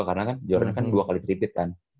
karena kan jordan kan dua kali triplit kan